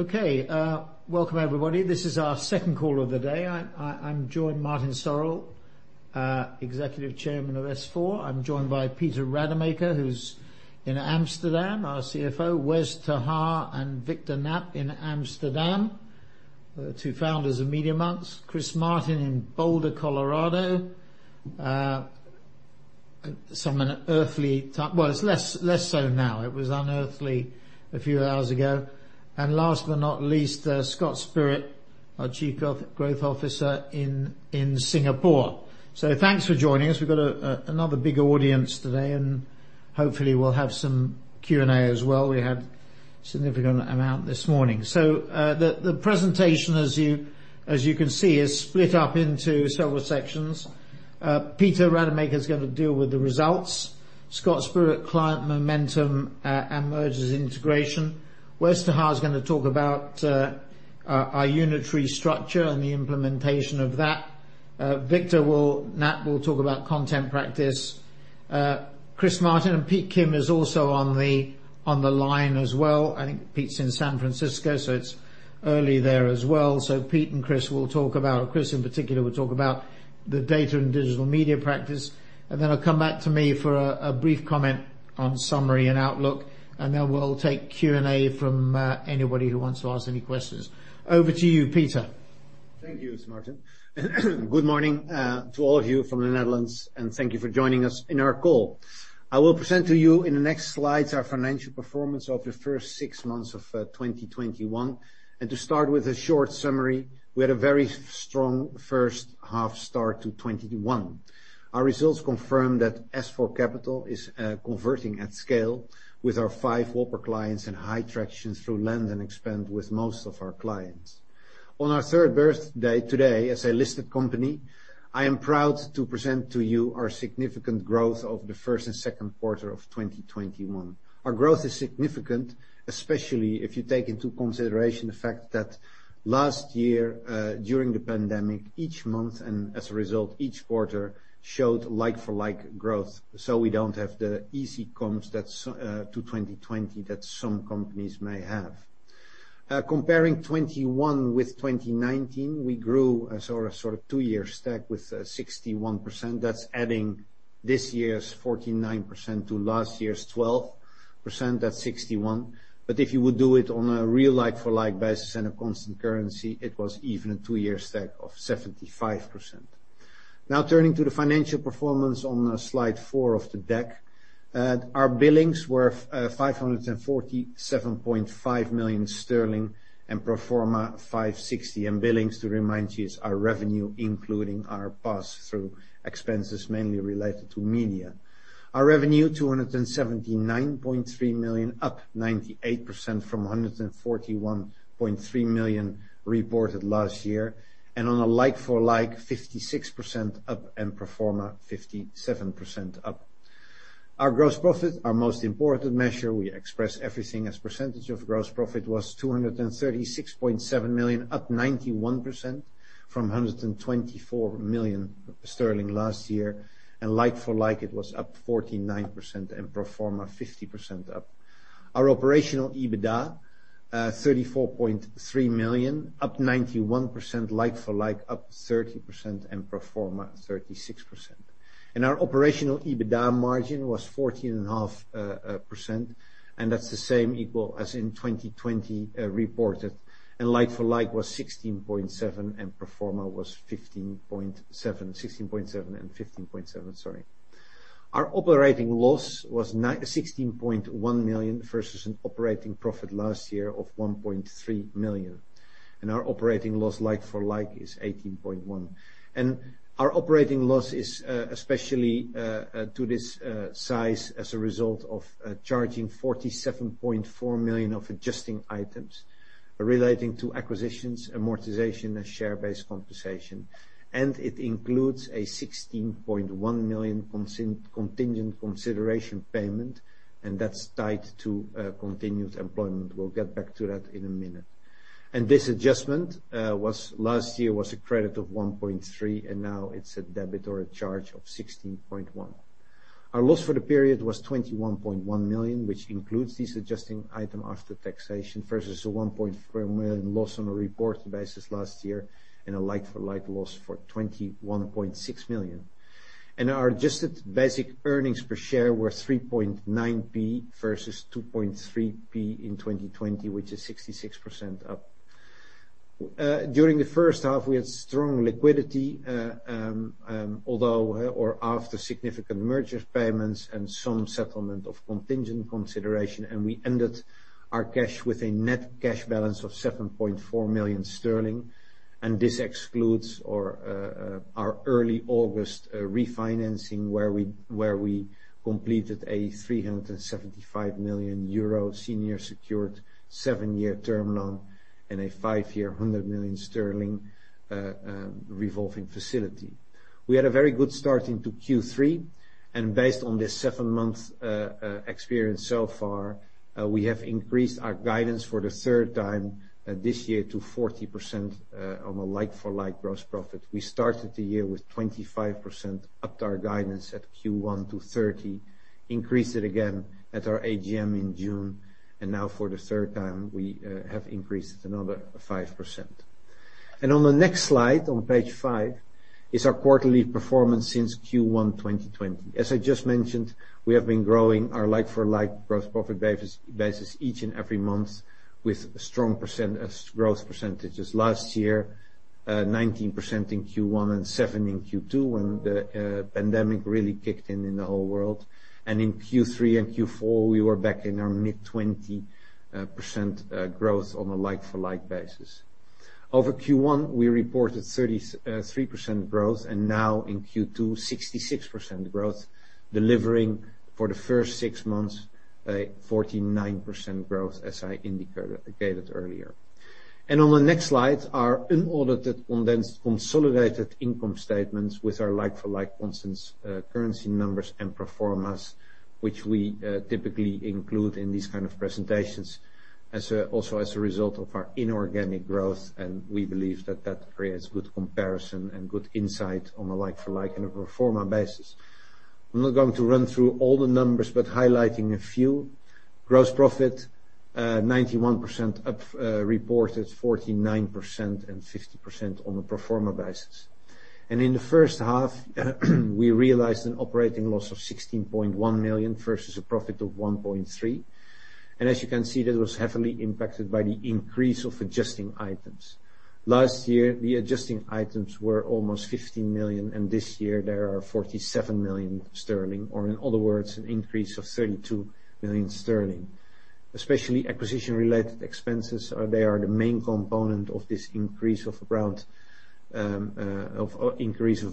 Okay. Welcome everybody. This is our second call of the day. I'm joined, Martin Sorrell, Executive Chairman of S4. I'm joined by Peter Rademaker, who's in Amsterdam, our CFO. Wes ter Haar and Victor Knaap in Amsterdam, the two founders of Media.Monks. Chris Martin in Boulder, Colorado. Well, it's less so now. It was unearthly a few hours ago. Last but not least, Scott Spirit, our Chief Growth Officer in Singapore. Thanks for joining us. We've got another big audience today, and hopefully we'll have some Q&A as well. We had significant amount this morning. The presentation as you can see, is split up into several sections. Peter Rademaker's going to deal with the results. Scott Spirit, client momentum, and mergers integration. Wes ter Haar is going to talk about our unitary structure and the implementation of that. Victor Knaap will talk about Content Practice. Chris Martin and Pete Kim is also on the line as well. I think Pete's in San Francisco, it's early there as well. Chris, in particular, will talk about the Data & Digital Media practice. It'll come back to me for a brief comment on summary and outlook, then we'll take Q&A from anybody who wants to ask any questions. Over to you, Peter. Thank you, Martin. Good morning to all of you from the Netherlands, thank you for joining us in our call. I will present to you in the next slides our financial performance of the first six months of 2021. To start with a short summary, we had a very strong first half start to 2021. Our results confirm that S4 Capital is converting at scale with our five whopper clients and high traction through land and expand with most of our clients. On our third birthday today, as a listed company, I am proud to present to you our significant growth of the first and second quarter of 2021. Our growth is significant, especially if you take into consideration the fact that last year, during the pandemic, each month, as a result, each quarter showed like-for-like growth. We don't have the easy comps to 2020 that some companies may have. Comparing 2021 with 2019, we grew a sort of two-year stack with 61%. That's adding this year's 49% to last year's 12%, that's 61%. If you would do it on a real like-for-like basis and a constant currency, it was even a two-year stack of 75%. Turning to the financial performance on slide four of the deck. Our billings were 547.5 million sterling, and pro forma 560 million, and billings, to remind you, is our revenue including our pass through expenses, mainly related to media. Our revenue, 279.3 million, up 98% from 141.3 million reported last year, and on a like-for-like, 56% up and pro forma 57% up. Our gross profit, our most important measure, we express everything as percentage of gross profit, was 236.7 million, up 91% from 124 million sterling last year. like-for-like it was up 49% and pro forma 50% up. Our operational EBITDA, 34.3 million, up 91%. like-for-like up 30% and pro forma 36%. Our operational EBITDA margin was 14.5%. That's the same equal as in 2020 reported. like-for-like was 16.7% and pro forma was 15.7%. 16.7% and 15.7%, sorry. Our operating loss was 16.1 million versus an operating profit last year of 1.3 million. Our operating loss like-for-like is 18.1 million. Our operating loss is especially to this size as a result of charging 47.4 million of adjusting items relating to acquisitions, amortization, and share-based compensation. It includes a 16.1 million contingent consideration payment. That's tied to continued employment. We'll get back to that in a minute. This adjustment last year was a credit of 1.3 million, and now it's a debit or a charge of 16.1 million. Our loss for the period was 21.1 million, which includes the adjusting item after taxation versus a 1.4 million loss on a reported basis last year, and a like-for-like loss for 21.6 million. Our adjusted basic earnings per share were 0.039 versus 0.023 in 2020, which is 66% up. During the first half, we had strong liquidity, although or after significant merger payments and some settlement of contingent consideration, and we ended our cash with a net cash balance of 7.4 million sterling, and this excludes our early August refinancing where we completed a 375 million euro senior secured seven-year term loan and a five-year 100 million sterling revolving facility. We had a very good start into Q3, and based on this seven-month experience so far, we have increased our guidance for the third time this year to 40% on a like-for-like gross profit. We started the year with 25%, upped our guidance at Q1 to 30%, increased it again at our AGM in June, and now for the third time, we have increased another 5%. On the next slide, on page five, is our quarterly performance since Q1 2020. As I just mentioned, we have been growing our like-for-like gross profit basis each and every month with strong growth percentages. Last year, 19% in Q1 and 7% in Q2 when the pandemic really kicked in in the whole world. In Q3 and Q4, we were back in our mid-20% growth on a like-for-like basis. Over Q1, we reported 33% growth, now in Q2, 66% growth, delivering for the first six months a 49% growth as I indicated earlier. On the next slide, our unaudited, condensed consolidated income statements with our like-for-like constant currency numbers and pro formas, which we typically include in these kind of presentations. Also as a result of our inorganic growth, we believe that that creates good comparison and good insight on a like-for-like and a pro forma basis. I'm not going to run through all the numbers, highlighting a few. Gross profit, 91% up, reported 49%, 50% on a pro forma basis. In the first half, we realized an operating loss of 16.1 million versus a profit of 1.3 million. As you can see, that was heavily impacted by the increase of adjusting items. Last year, the adjusting items were almost 15 million. This year there are 47 million sterling, or in other words, an increase of 32 million sterling. Especially acquisition-related expenses, they are the main component of this increase of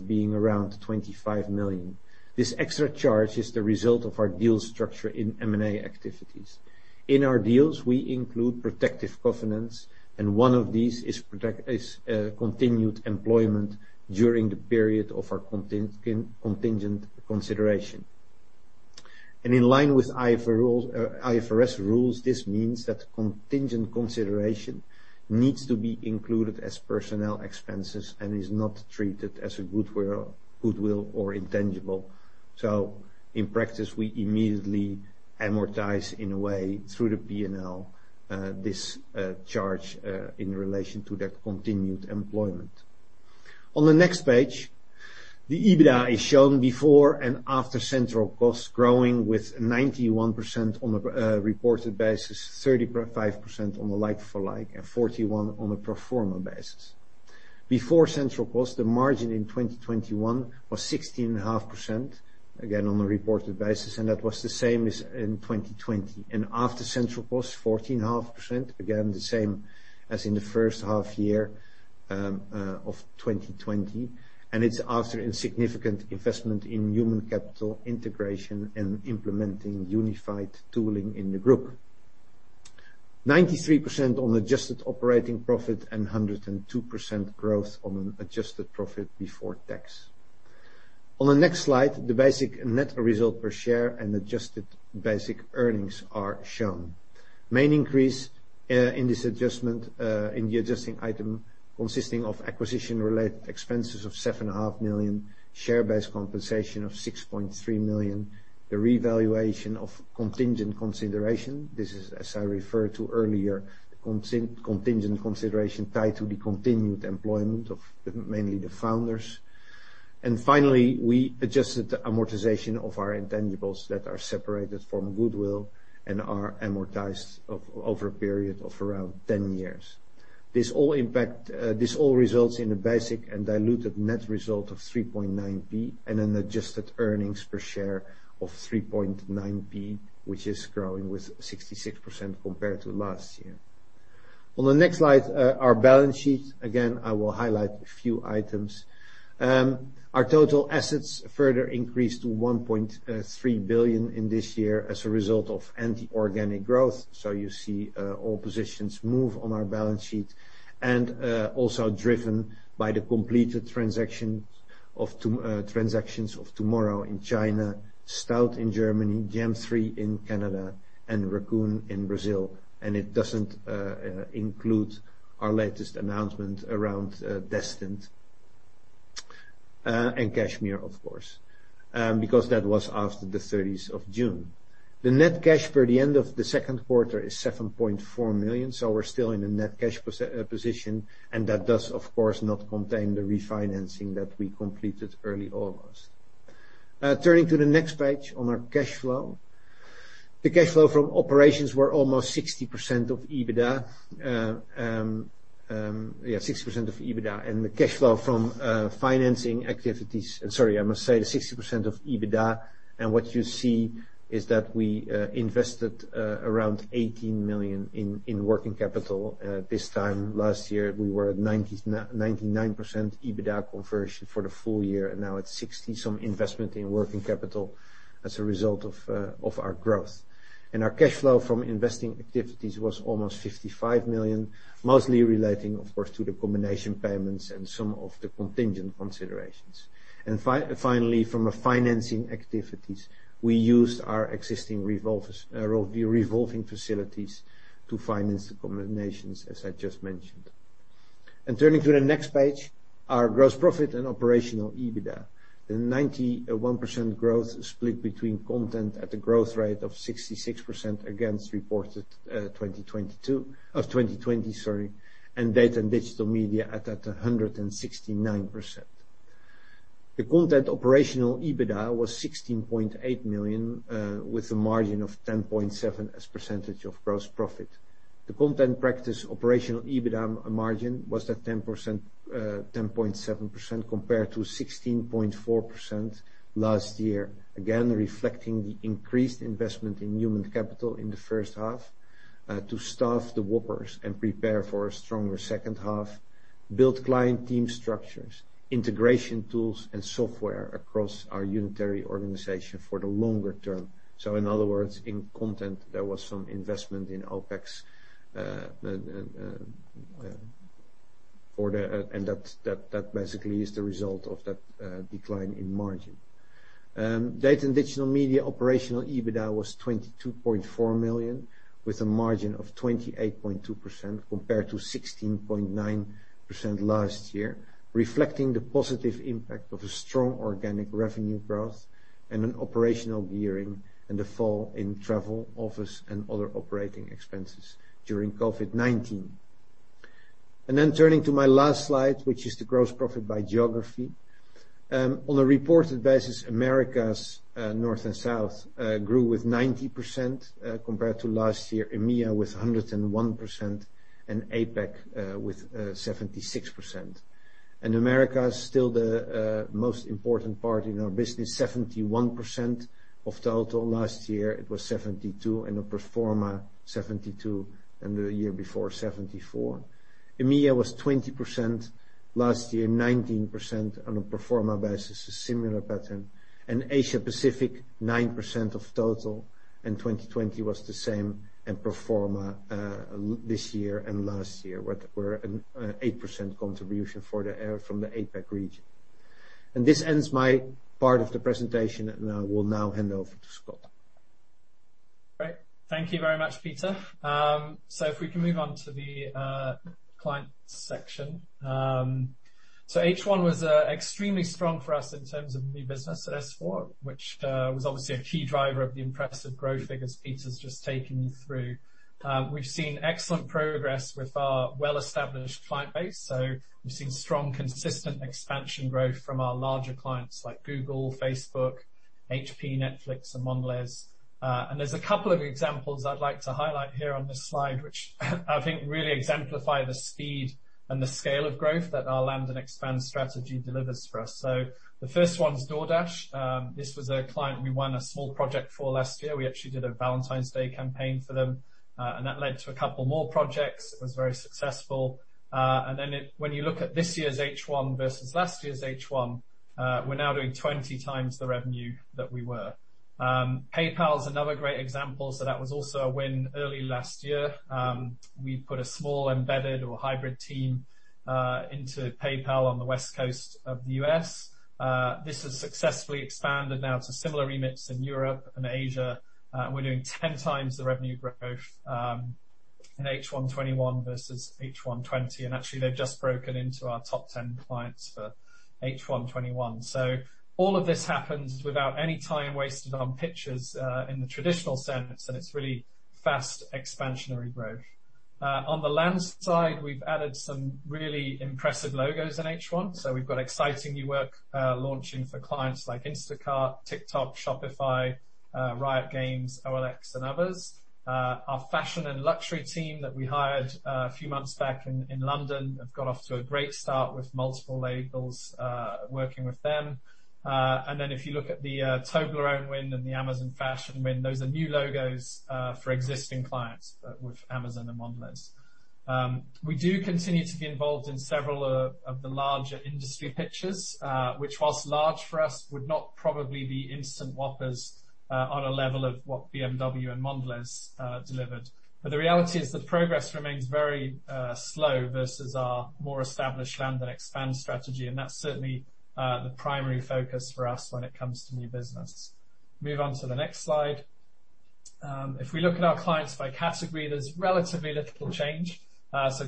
being around 25 million. This extra charge is the result of our deal structure in M&A activities. In our deals, we include protective covenants. One of these is continued employment during the period of our contingent consideration. In line with IFRS rules, this means that contingent consideration needs to be included as personnel expenses and is not treated as a goodwill or intangible. In practice, we immediately amortize in a way through the P&L, this charge in relation to that continued employment. On the next page, the EBITDA is shown before and after central costs growing with 91% on a reported basis, 35% on a like-for-like, and 41% on a pro forma basis. Before central cost, the margin in 2021 was 16.5%, again on a reported basis, that was the same as in 2020. After central cost, 14.5%, again, the same as in the first half year of 2020. It is after a significant investment in human capital integration and implementing unified tooling in the group. 93% on adjusted operating profit and 102% growth on an adjusted profit before tax. On the next slide, the basic net result per share and adjusted basic earnings are shown. Main increase in the adjusting item consisting of acquisition-related expenses of 7.5 million, share-based compensation of 6.3 million, the revaluation of contingent consideration. This is, as I referred to earlier, the contingent consideration tied to the continued employment of mainly the founders. Finally, we adjusted the amortization of our intangibles that are separated from goodwill and are amortized over a period of around 10 years. This all results in a basic and diluted net result of 0.039 and an adjusted earnings per share of 0.039, which is growing with 66% compared to last year. On the next slide, our balance sheet. Again, I will highlight a few items. Our total assets further increased to 1.3 billion in this year as a result of anti-organic growth. You see all positions move on our balance sheet and also driven by the completed transactions of TOMORROW in China, STAUD in Germany, Jam3 in Canada, and Raccoon in Brazil. It doesn't include our latest announcement around Destined and Cashmere, of course, because that was after the 30th of June. The net cash for the end of the second quarter is 7.4 million, so we're still in a net cash position. That does, of course, not contain the refinancing that we completed early August. Turning to the next page on our cash flow. The cash flow from operations were almost 60% of EBITDA. The cash flow from financing activities, sorry, I must say the 60% of EBITDA. What you see is that we invested around 18 million in working capital. This time last year, we were at 99% EBITDA conversion for the full year. Now at 60% some investment in working capital as a result of our growth. Our cash flow from investing activities was almost 55 million, mostly relating, of course, to the combination payments and some of the contingent considerations. Finally, from a financing activities, we used our existing revolving facilities to finance the combinations, as I just mentioned. Turning to the next page. Our gross profit and operational EBITDA. The 91% growth split between content at a growth rate of 66% against reported 2020, and Data & Digital Media at 169%. The content operational EBITDA was 16.8 million, with a margin of 10.7% as a percentage of gross profit. The Content Practice operational EBITDA margin was at 10.7% compared to 16.4% last year, again, reflecting the increased investment in human capital in the first half to staff the whoppers and prepare for a stronger second half, build client team structures, integration tools, and software across our unitary organization for the longer term. In other words, in content, there was some investment in OpEx, and that basically is the result of that decline in margin. Data & Digital Media operational EBITDA was 22.4 million, with a margin of 28.2% compared to 16.9% last year, reflecting the positive impact of a strong organic revenue growth and an operational gearing and the fall in travel, office and other operating expenses during COVID-19. Turning to my last slide, which is the gross profit by geography. On a reported basis, Americas, North and South, grew with 90% compared to last year, EMEA with 101%, and APAC with 76%. Americas is still the most important part in our business, 71% of total. Last year it was 72%, and a pro forma 72%, and the year before 74%. EMEA was 20% last year, 19% on a pro forma basis, a similar pattern, and Asia-Pacific, 9% of total, and 2020 was the same, and pro forma this year and last year were an 8% contribution from the APAC region. This ends my part of the presentation, and I will now hand over to Scott. Great. Thank you very much, Peter. If we can move on to the client section. H1 was extremely strong for us in terms of new business at S4, which was obviously a key driver of the impressive growth figures Peter's just taken you through. We've seen excellent progress with our well-established client base. We've seen strong, consistent expansion growth from our larger clients like Google, Facebook, HP, Netflix, and Mondelez. There's a couple of examples I'd like to highlight here on this slide, which I think really exemplify the speed and the scale of growth that our land and expand strategy delivers for us. The first one is DoorDash. This was a client we won a small project for last year. We actually did a Valentine's Day campaign for them, and that led to a couple more projects. It was very successful. When you look at this year's H1 versus last year's H1, we are now doing 20x the revenue that we were. PayPal is another great example. That was also a win early last year. We put a small embedded or hybrid team into PayPal on the West Coast of the U.S. This has successfully expanded now to similar remits in Europe and Asia. We are doing 10x the revenue growth in H1 2021 versus H1 2020. They have just broken into our top 10 clients for H1 2021. All of this happens without any time wasted on pitches in the traditional sense, and it is really fast expansionary growth. On the land side, we have added some really impressive logos in H1. We have got exciting new work launching for clients like Instacart, TikTok, Shopify, Riot Games, OLX and others. Our fashion and luxury team that we hired a few months back in London have got off to a great start with multiple labels working with them. If you look at the Toblerone win and the Amazon Fashion win, those are new logos for existing clients with Amazon and Mondelez. We do continue to be involved in several of the larger industry pitches, which, whilst large for us, would not probably be instant whoppers on a level of what BMW and Mondelez delivered. The reality is that progress remains very slow versus our more established land-and-expand strategy, and that's certainly the primary focus for us when it comes to new business. Move on to the next slide. If we look at our clients by category, there's relatively little change.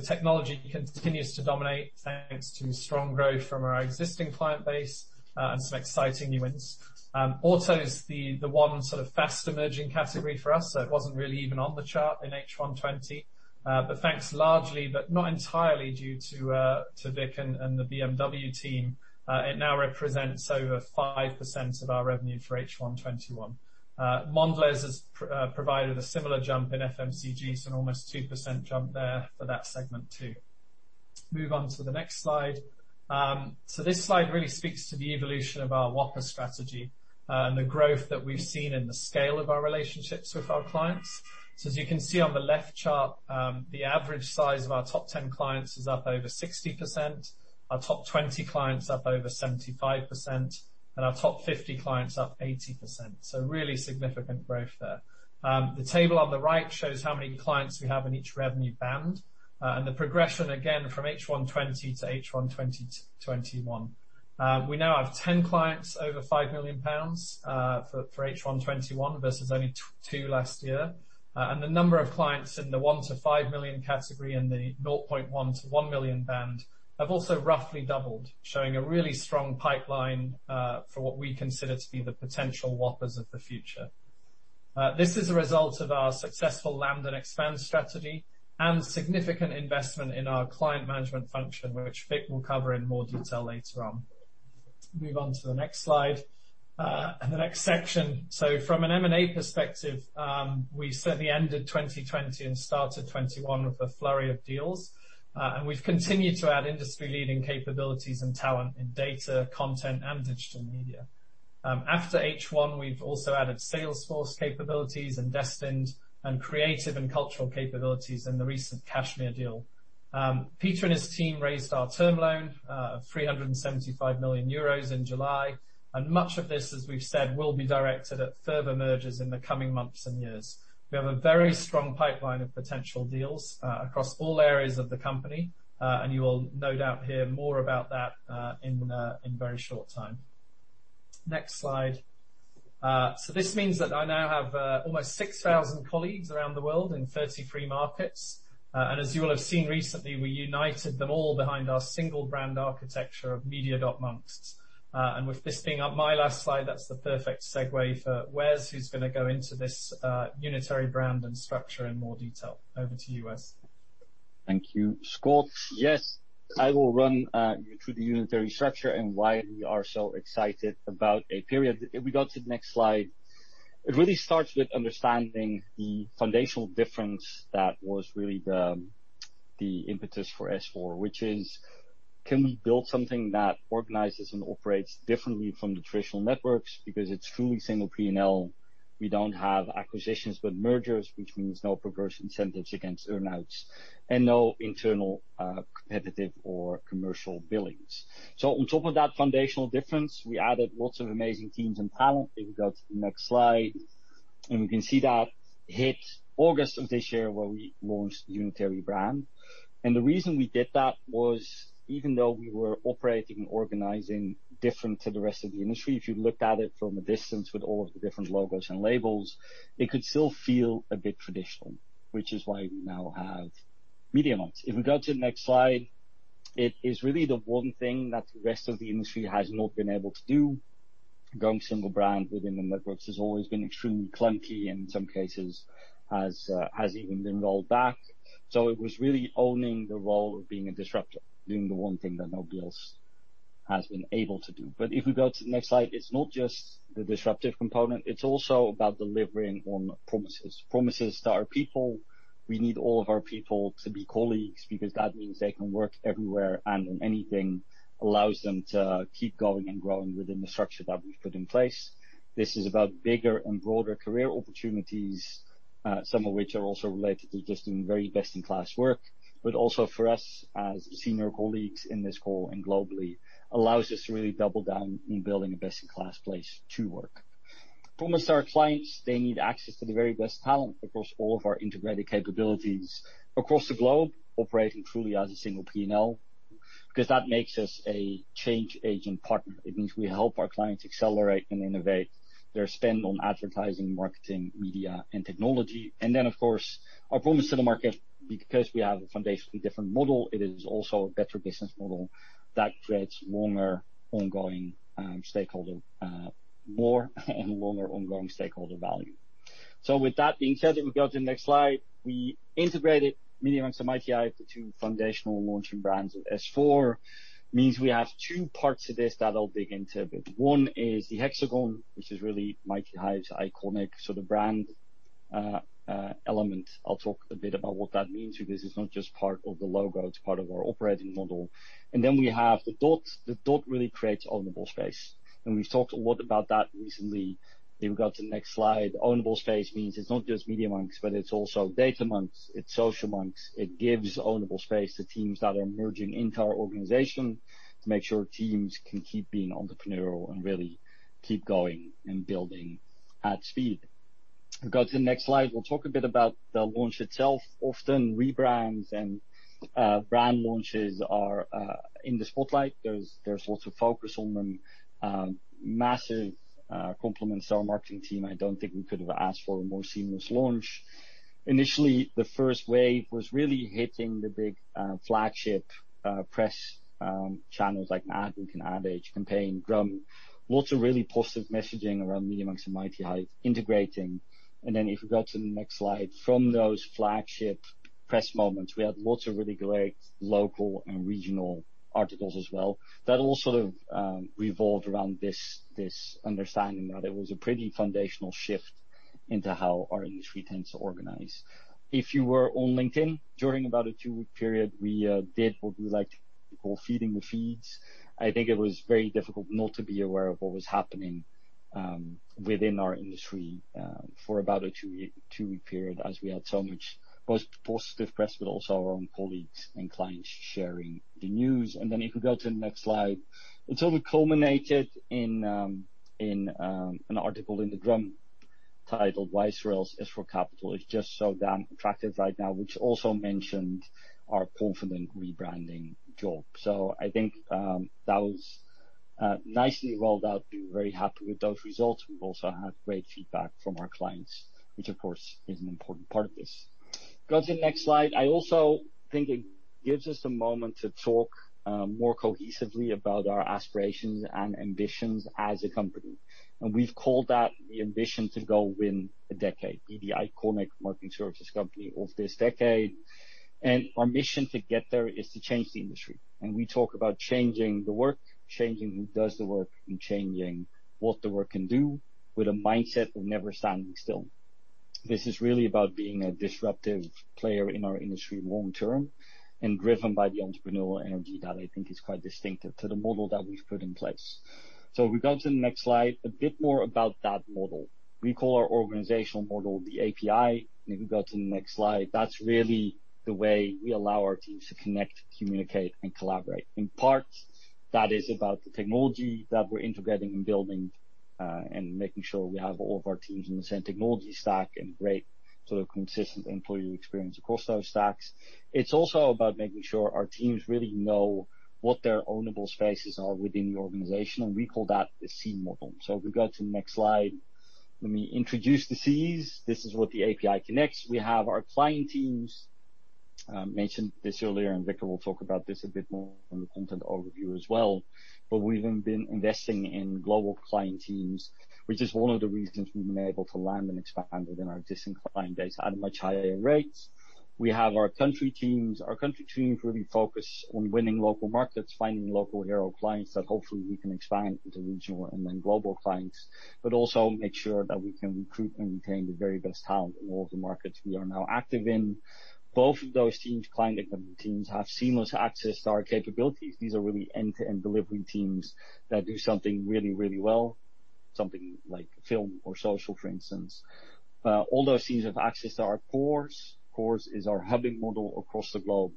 Technology continues to dominate, thanks to strong growth from our existing client base and some exciting new wins. Auto is the one sort of fast-emerging category for us. It wasn't really even on the chart in H1 2020. Thanks largely, but not entirely due to Victor and the BMW team, it now represents over 5% of our revenue for H1 2021. Mondelez has provided a similar jump in FMCGs, an almost 2% jump there for that segment too. Move on to the next slide. This slide really speaks to the evolution of our whopper strategy and the growth that we've seen in the scale of our relationships with our clients. As you can see on the left chart, the average size of our top 10 clients is up over 60%, our top 20 clients up over 75%, and our top 50 clients up 80%. Really significant growth there. The table on the right shows how many clients we have in each revenue band and the progression, again, from H1 2020 to H1 2021. We now have 10 clients over 5 million pounds for H1 2021 versus only two last year. The number of clients in the 1 million-5 million category and the 0.1 million-1 million band have also roughly doubled, showing a really strong pipeline for what we consider to be the potential whoppers of the future. This is a result of our successful land-and-expand strategy and significant investment in our client management function, which Vic will cover in more detail later on. Move on to the next slide, and the next section. From an M&A perspective, we certainly ended 2020 and started 2021 with a flurry of deals. We've continued to add industry-leading capabilities and talent in data, content, and digital media. After H1, we've also added Salesforce capabilities and Destined, and creative and cultural capabilities in the recent Cashmere deal. Peter and his team raised our term loan of 375 million euros in July, and much of this, as we've said, will be directed at further mergers in the coming months and years. We have a very strong pipeline of potential deals, across all areas of the company. You will no doubt hear more about that in very short time. Next slide. This means that I now have almost 6,000 colleagues around the world in 33 markets. As you will have seen recently, we united them all behind our single brand architecture of Media.Monks. With this being my last slide, that's the perfect segue for Wes, who's going to go into this unitary brand and structure in more detail. Over to you, Wes. Thank you, Scott. Yes, I will run you through the unitary structure and why we are so excited about a period. If we go to the next slide. It really starts with understanding the foundational difference that was really the impetus for S4, which is, can we build something that organizes and operates differently from the traditional networks? It's truly single P&L, we don't have acquisitions but mergers, which means no progression incentives against earn-outs, and no internal competitive or commercial billings. On top of that foundational difference, we added lots of amazing teams and talent. If we go to the next slide, and we can see that hit August of this year, where we launched the unitary brand. The reason we did that was, even though we were operating and organizing different to the rest of the industry, if you looked at it from a distance with all of the different logos and labels, it could still feel a bit traditional, which is why we now have Media.Monks. If we go to the next slide, it is really the one thing that the rest of the industry has not been able to do. Going single brand within the networks has always been extremely clunky, in some cases, has even been rolled back. It was really owning the role of being a disruptor, doing the one thing that nobody else has been able to do. If we go to the next slide, it's not just the disruptive component, it's also about delivering on promises. Promises to our people. We need all of our people to be colleagues because that means they can work everywhere and on anything, allows them to keep going and growing within the structure that we've put in place. This is about bigger and broader career opportunities, some of which are also related to just doing very best-in-class work. Also for us, as senior colleagues in this call and globally, allows us to really double down on building a best-in-class place to work. Promise to our clients, they need access to the very best talent across all of our integrated capabilities across the globe, operating truly as a single P&L, because that makes us a change agent partner. It means we help our clients accelerate and innovate their spend on advertising, marketing, media, and technology. Of course, our promise to the market, because we have a foundationally different model, it is also a better business model that creates more and longer ongoing stakeholder value. With that being said, if we go to the next slide, we integrated Media.Monks and MightyHive, the two foundational launching brands of S4. Means we have two parts to this that I'll dig into a bit. One is the hexagon, which is really MightyHive's iconic sort of brand element. I'll talk a bit about what that means, because it's not just part of the logo, it's part of our operating model. Then we have the dot. The dot really creates ownable space, and we've talked a lot about that recently. If we go to the next slide. Ownable space means it's not just Media.Monks, but it's also Data.Monks, it's Social.Monks. It gives ownable space to teams that are merging into our organization to make sure teams can keep being entrepreneurial and really keep going and building at speed. If we go to the next slide, we'll talk a bit about the launch itself. Often rebrands and brand launches are in the spotlight. There's lots of focus on them. Massive compliments to our marketing team. I don't think we could have asked for a more seamless launch. Initially, the first wave was really hitting the big flagship press channels like Adweek and Ad Age, Campaign, The Drum. Lots of really positive messaging around Media.Monks and MightyHive integrating. If we go to the next slide. From those flagship press moments, we had lots of really great local and regional articles as well that all sort of revolved around this understanding that it was a pretty foundational shift into how our industry tends to organize. If you were on LinkedIn during about a two-week period, we did what we like to call feeding the feeds. I think it was very difficult not to be aware of what was happening within our industry for about a two-week period as we had so much positive press, but also our own colleagues and clients sharing the news. If we go to the next slide. Until we culminated in an article in "The Drum" titled "Why Sorrell's S4 Capital Is Just So Damn Attractive Right Now," which also mentioned our confident rebranding job. I think that was nicely rolled out. We are very happy with those results. We've also had great feedback from our clients, which of course is an important part of this. Go to the next slide. I also think it gives us a moment to talk more cohesively about our aspirations and ambitions as a company. We've called that the ambition to go win the decade, be the iconic marketing services company of this decade. Our mission to get there is to change the industry. We talk about changing the work, changing who does the work, and changing what the work can do with a mindset of never standing still. This is really about being a disruptive player in our industry long term, and driven by the entrepreneurial energy that I think is quite distinctive to the model that we've put in place. If we go to the next slide, a bit more about that model. We call our organizational model the API. If we go to the next slide, that's really the way we allow our teams to connect, communicate, and collaborate. In part, that is about the technology that we're integrating and building, and making sure we have all of our teams in the same technology stack and great consistent employee experience across those stacks. It's also about making sure our teams really know what their ownable spaces are within the organization, and we call that the C model. If we go to the next slide, let me introduce the Cs. This is what the API connects. We have our client teams, mentioned this earlier, and Victor will talk about this a bit more on the content overview as well. We've been investing in global client teams, which is one of the reasons we've been able to land and expand within our existing client base at a much higher rate. We have our country teams. Our country teams really focus on winning local markets, finding local hero clients that hopefully we can expand into regional and then global clients, but also make sure that we can recruit and retain the very best talent in all of the markets we are now active in. Both of those teams, client and company teams, have seamless access to our capabilities. These are really end-to-end delivery teams that do something really, really well, something like film or social, for instance. All those teams have access to our cores. Cores is our hubbing model across the globe.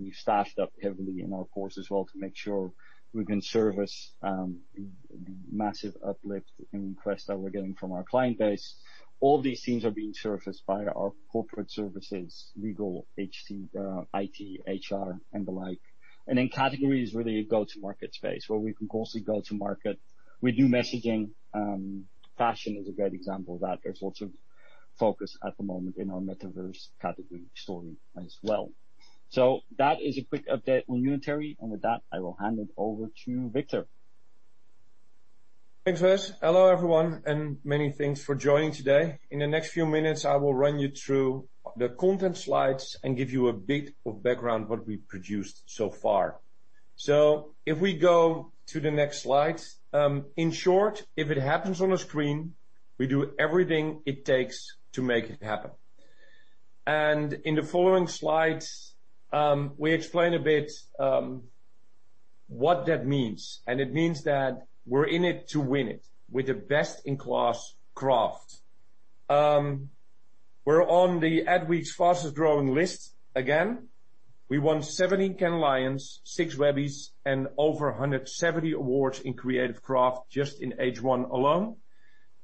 We've staffed up heavily in our cores as well to make sure we can service the massive uplift in requests that we're getting from our client base. All these teams are being serviced by our corporate services, legal, IT, HR, and the like. Category is really a go-to-market space where we can closely go to market with new messaging. Fashion is a great example that there's lots of focus at the moment in our metaverse category story as well. That is a quick update on unitary. I will hand it over to Victor. Thanks, Wes. Hello, everyone, and many thanks for joining today. In the next few minutes, I will run you through the content slides and give you a bit of background what we've produced so far. If we go to the next slide. In short, if it happens on a screen, we do everything it takes to make it happen. In the following slides, we explain a bit what that means. It means that we're in it to win it with the best-in-class craft. We're on the Adweek's fastest-growing list again. We won 70 Cannes Lions, six Webbys, and over 170 awards in creative craft just in H1 alone.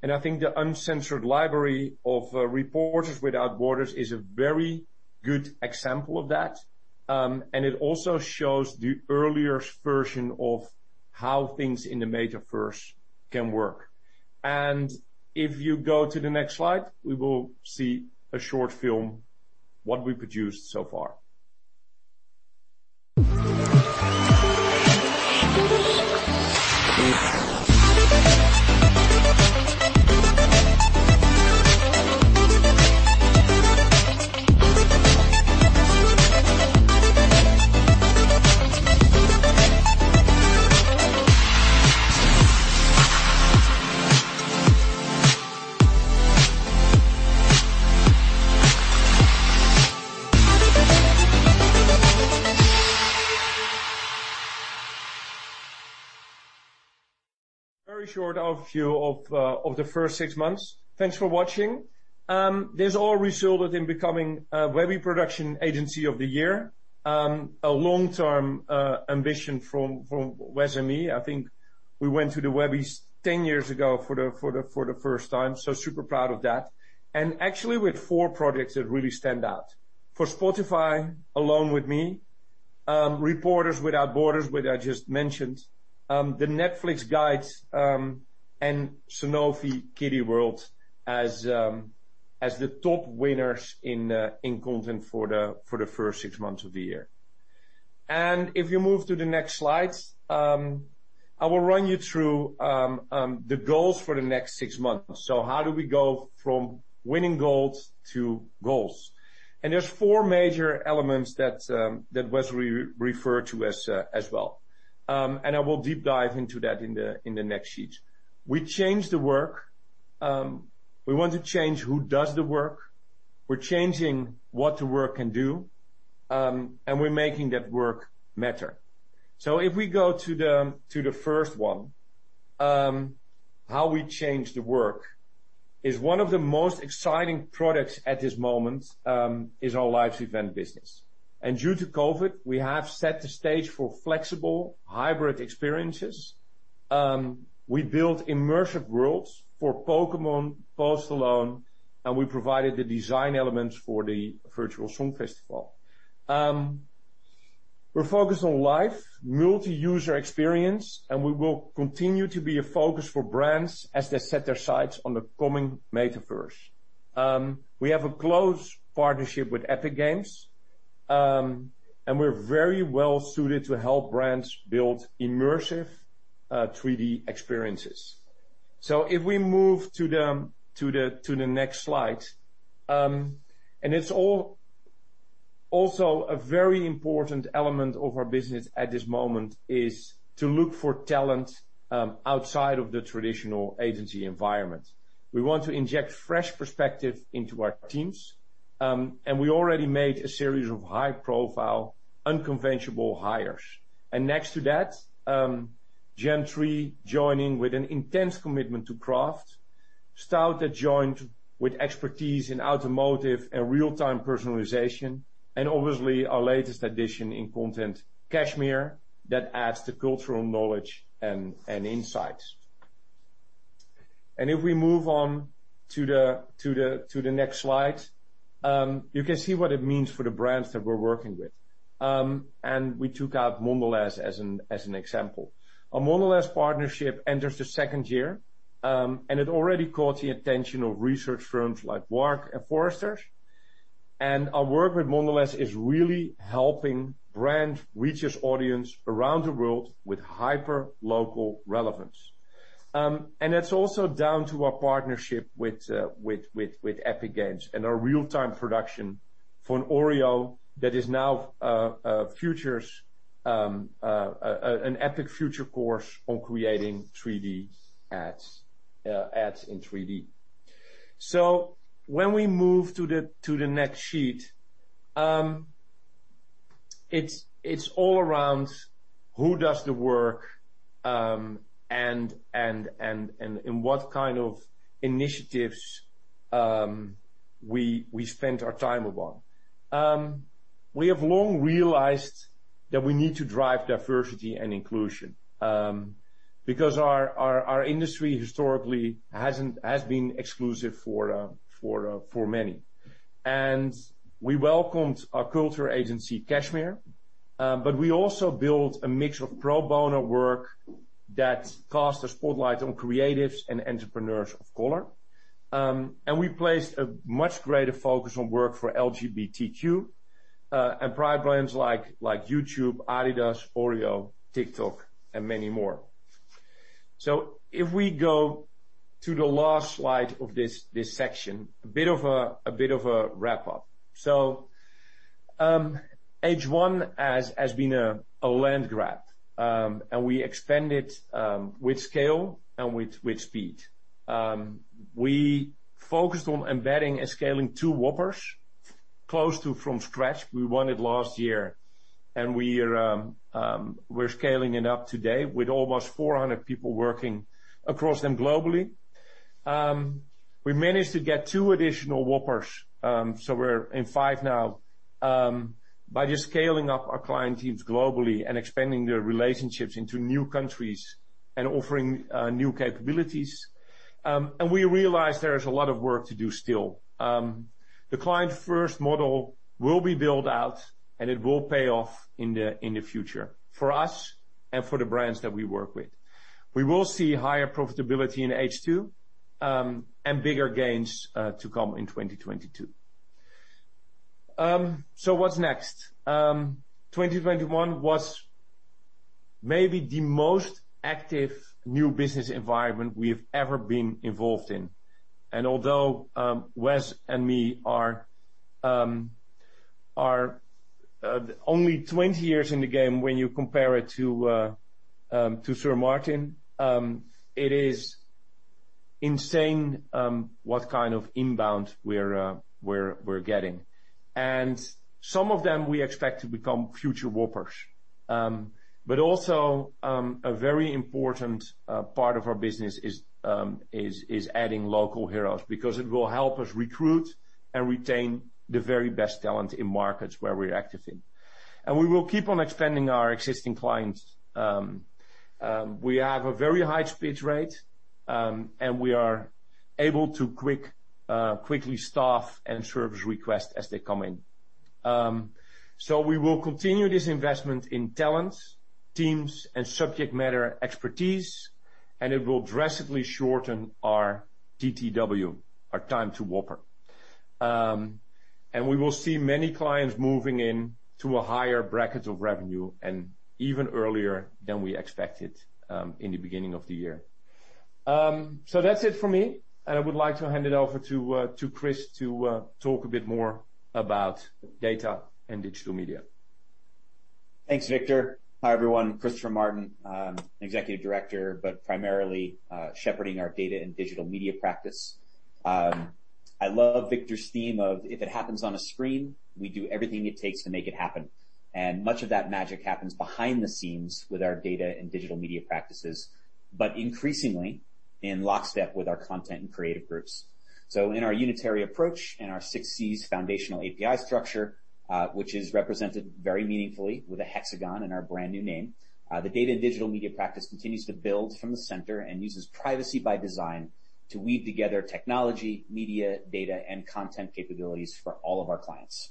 I think the Uncensored Library of Reporters Without Borders is a very good example of that. It also shows the earlier version of how things in the Metaverse can work. If you go to the next slide, we will see a short film, what we produced so far. Very short overview of the first six months. Thanks for watching. This all resulted in becoming a Webby production agency of the year. A long-term ambition from Wes and me. I think we went to the Webby Awards 10 years ago for the first time, so super proud of that. Actually with four projects that really stand out. For Spotify, Alone With Me, Reporters Without Borders, which I just mentioned, the Netflix guides, and Sanofi KittyWorld as the top winners in content for the first six months of the year. If you move to the next slide, I will run you through the goals for the next six months. How do we go from winning gold to goals? There's four major elements that Wes referred to as well. I will deep dive into that in the next sheet. We change the work. We want to change who does the work. We're changing what the work can do. We're making that work matter. If we go to the first one, how we change the work, is one of the most exciting products at this moment, is our live event business. Due to COVID-19, we have set the stage for flexible hybrid experiences. We built immersive worlds for Pokémon, Post Malone, and we provided the design elements for the virtual song festival. We're focused on live multi-user experience, and we will continue to be a focus for brands as they set their sights on the coming Metaverse. We have a close partnership with Epic Games, and we're very well-suited to help brands build immersive 3D experiences. If we move to the next slide. It's also a very important element of our business at this moment is to look for talent outside of the traditional agency environment. We want to inject fresh perspective into our teams. We already made a series of high-profile, unconventional hires. Next to that, Jam3 joining with an intense commitment to craft, STAUD that joined with expertise in automotive and real-time personalization, obviously our latest addition in content, Cashmere, that adds to cultural knowledge and insights. If we move on to the next slide. You can see what it means for the brands that we're working with. We took out Mondelez as an example. Our Mondelez partnership enters the second year, and it already caught the attention of research firms like WARC and Forrester. Our work with Mondelez is really helping brand reach its audience around the world with hyper-local relevance. That's also down to our partnership with Epic Games and our real-time production for Oreo that is now an Epic future course on creating ads in 3D. When we move to the next sheet, it's all around who does the work, and what kind of initiatives we spent our time upon. We have long realized that we need to drive diversity and inclusion, because our industry historically has been exclusive for many. We welcomed our culture agency, Cashmere, but we also built a mix of pro bono work that cast a spotlight on creatives and entrepreneurs of color. We placed a much greater focus on work for LGBTQ and pride brands like YouTube, Adidas, Oreo, TikTok, and many more. If we go to the last slide of this section, a bit of a wrap-up. H1 has been a land grab, and we expanded with scale and with speed. We focused on embedding and scaling two whoppers close to from scratch. We won it last year, and we're scaling it up today with almost 400 people working across them globally. We managed to get two additional whoppers, so we're in five now, by just scaling up our client teams globally and expanding their relationships into new countries and offering new capabilities. We realize there is a lot of work to do still. The client-first model will be built out, and it will pay off in the future for us and for the brands that we work with. We will see higher profitability in H2, and bigger gains to come in 2022. What's next? 2021 was maybe the most active new business environment we've ever been involved in. Although Wes and me are only 20 years in the game when you compare it to Sir Martin, it is insane what kind of inbound we're getting. Some of them we expect to become future whoppers. Also, a very important part of our business is adding local heroes because it will help us recruit and retain the very best talent in markets where we're active in. We will keep on expanding our existing clients. We have a very high pitch rate, and we are able to quickly staff and service requests as they come in. We will continue this investment in talents, teams, and subject matter expertise, and it will drastically shorten our TTW, our Time to Whopper. We will see many clients moving in to a higher bracket of revenue and even earlier than we expected in the beginning of the year. That's it for me, and I would like to hand it over to Chris to talk a bit more about Data & Digital Media. Thanks, Victor. Hi, everyone. Christopher Martin, Executive Director, but primarily shepherding our Data & Digital Media practice. I love Victor's theme of if it happens on a screen, we do everything it takes to make it happen. Much of that magic happens behind the scenes with our Data & Digital Media practices, but increasingly in lockstep with our content and creative groups. In our unitary approach, in our 6Cs foundational API structure, which is represented very meaningfully with a hexagon in our brand new name, the Data & Digital Media practice continues to build from the center and uses privacy by design to weave together technology, media, data, and content capabilities for all of our clients.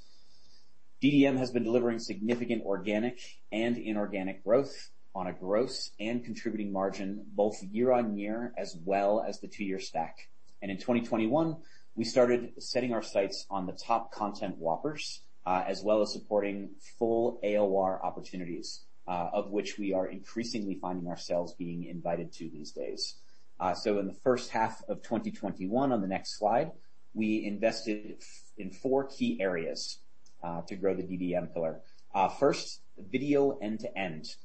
DDM has been delivering significant organic and inorganic growth on a gross and contributing margin, both year-on-year as well as the two-year stack. In 2021, we started setting our sights on the top content whoppers, as well as supporting full AOR opportunities, of which we are increasingly finding ourselves being invited to these days. In the first half of 2021, on the next slide, we invested in four key areas to grow the DDM pillar. First, video end-to-end.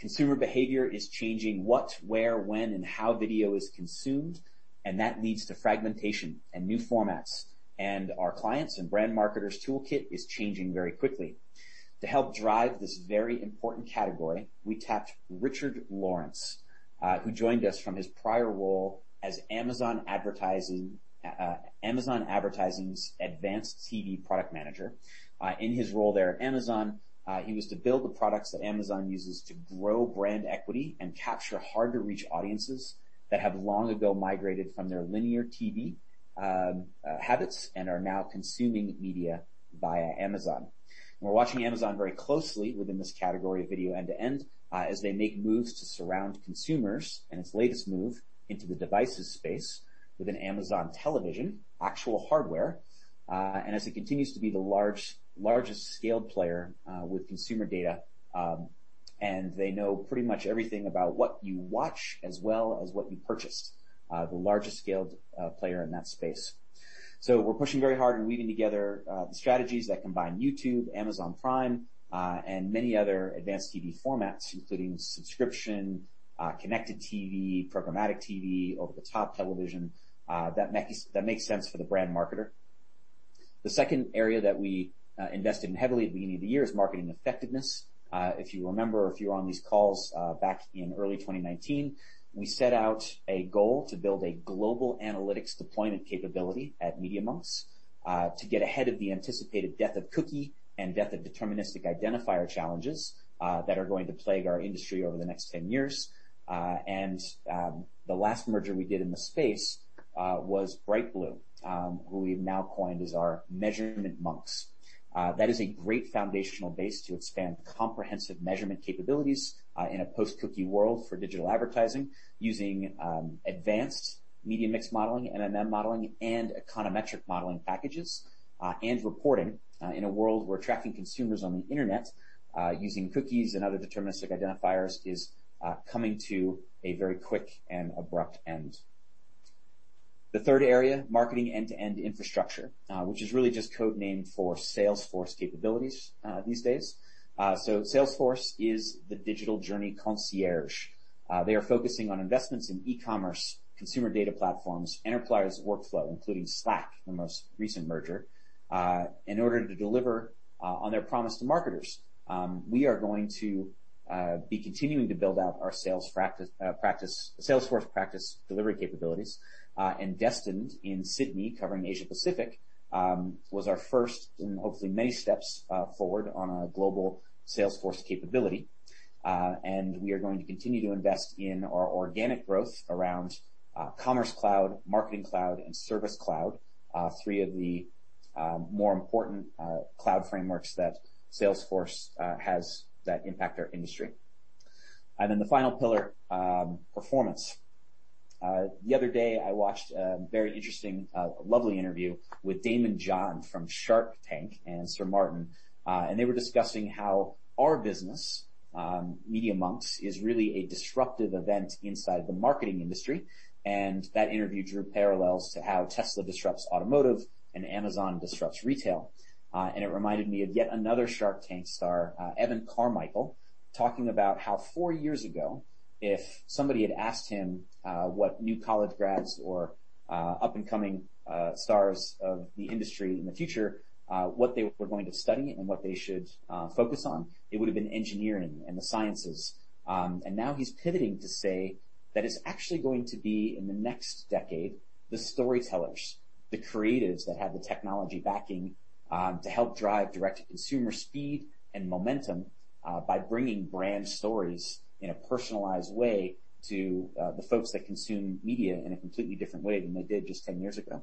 Consumer behavior is changing what, where, when, and how video is consumed, and that leads to fragmentation and new formats. Our clients' and brand marketers' toolkit is changing very quickly. To help drive this very important category, we tapped Richard Lawrence, who joined us from his prior role as Amazon Advertising's Advanced TV Product Manager. In his role there at Amazon, he was to build the products that Amazon uses to grow brand equity and capture hard-to-reach audiences that have long ago migrated from their linear TV habits and are now consuming media via Amazon. We're watching Amazon very closely within this category of video end-to-end as they make moves to surround consumers, and its latest move into the devices space with an Amazon television, actual hardware, and as it continues to be the largest scaled player with consumer data, and they know pretty much everything about what you watch as well as what you purchase. The largest scaled player in that space. We're pushing very hard and weaving together the strategies that combine YouTube, Amazon Prime, and many other advanced TV formats, including subscription, connected TV, programmatic TV, over-the-top television, that makes sense for the brand marketer. The second area that we invested in heavily at the beginning of the year is marketing effectiveness. If you remember, if you were on these calls back in early 2019, we set out a goal to build a global analytics deployment capability at Media.Monks, to get ahead of the anticipated death of cookie and death of deterministic identifier challenges that are going to plague our industry over the next 10 years. The last merger we did in the space was Brightblue, who we have now coined as our Measurement Monks. That is a great foundational base to expand comprehensive measurement capabilities in a post-cookie world for digital advertising using advanced media mix modeling, MMM modeling, and econometric modeling packages and reporting in a world where tracking consumers on the internet using cookies and other deterministic identifiers is coming to a very quick and abrupt end. The third area, marketing end-to-end infrastructure, which is really just code name for Salesforce capabilities these days. Salesforce is the digital journey concierge. They are focusing on investments in e-commerce, consumer data platforms, enterprise workflow, including Slack, the most recent merger, in order to deliver on their promise to marketers. We are going to be continuing to build out our Salesforce practice delivery capabilities, Destined in Sydney covering Asia-Pacific was our first in hopefully many steps forward on our global Salesforce capability. We are going to continue to invest in our organic growth around Commerce Cloud, Marketing Cloud and Service Cloud, three of the more important cloud frameworks that Salesforce has that impact our industry. The final pillar, performance. The other day I watched a very interesting, lovely interview with Daymond John from "Shark Tank" and Sir Martin, and they were discussing how our business, Media.Monks, is really a disruptive event inside the marketing industry, and that interview drew parallels to how Tesla disrupts automotive and Amazon disrupts retail. It reminded me of yet another "Shark Tank" star, Evan Carmichael, talking about how four years ago, if somebody had asked him what new college grads or up-and-coming stars of the industry in the future, what they were going to study and what they should focus on, it would've been engineering and the sciences. Now he's pivoting to say that it's actually going to be in the next decade, the storytellers, the creatives that have the technology backing to help drive direct consumer speed and momentum by bringing brand stories in a personalized way to the folks that consume media in a completely different way than they did just 10 years ago.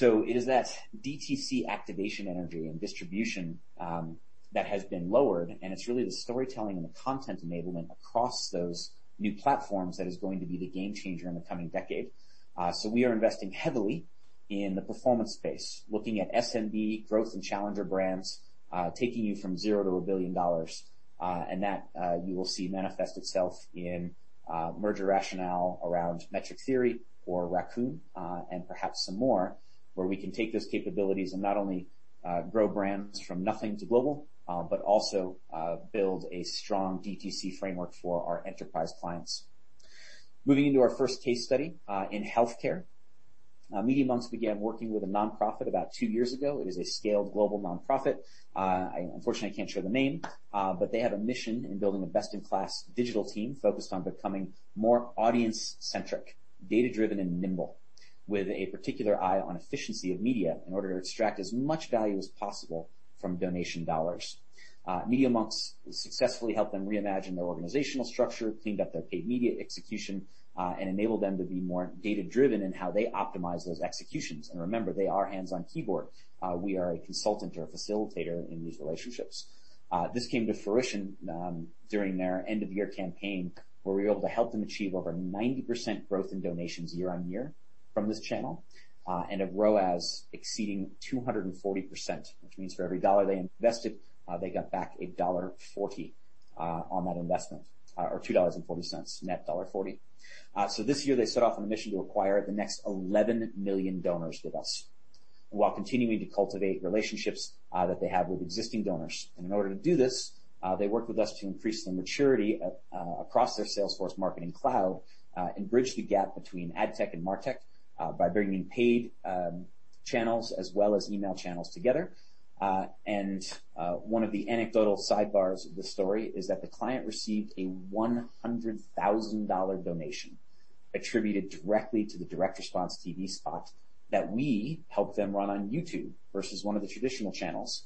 It is that DTC activation energy and distribution that has been lowered, and it's really the storytelling and the content enablement across those new platforms that is going to be the game changer in the coming decade. We are investing heavily in the performance space, looking at SMB growth and challenger brands, taking you from zero to a billion dollars. That you will see manifest itself in merger rationale around Metric Theory or Raccoon, and perhaps some more where we can take those capabilities and not only grow brands from nothing to global, but also build a strong DTC framework for our enterprise clients. Moving into our first case study in healthcare. Media.Monks began working with a nonprofit about two years ago. It is a scaled global nonprofit. Unfortunately, I can't share the name, but they have a mission in building a best-in-class digital team focused on becoming more audience-centric, data-driven, and nimble. With a particular eye on efficiency of media in order to extract as much value as possible from donation dollars. Media.Monks successfully helped them reimagine their organizational structure, cleaned up their paid media execution, and enabled them to be more data-driven in how they optimize those executions. Remember, they are hands on keyboard. We are a consultant or a facilitator in these relationships. This came to fruition during their end-of-year campaign, where we were able to help them achieve over 90% growth in donations year-on-year from this channel, and a ROAS exceeding 240%, which means for every dollar they invested, they got back $1.40 on that investment. $2.40 net $1.40. This year, they set off on a mission to acquire the next 11 million donors with us, while continuing to cultivate relationships that they have with existing donors. In order to do this, they worked with us to increase the maturity across their Salesforce Marketing Cloud, and bridge the gap between ad tech and martech, by bringing paid channels as well as email channels together. One of the anecdotal sidebars of the story is that the client received a $100,000 donation attributed directly to the direct response TV spot that we helped them run on YouTube versus one of the traditional channels.